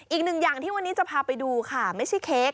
อีกหนึ่งอย่างที่วันนี้จะพาไปดูค่ะไม่ใช่เค้ก